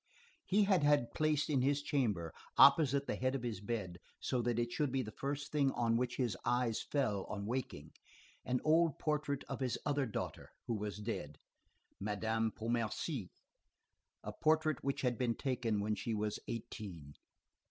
He had had placed in his chamber, opposite the head of his bed, so that it should be the first thing on which his eyes fell on waking, an old portrait of his other daughter, who was dead, Madame Pontmercy, a portrait which had been taken when she was eighteen.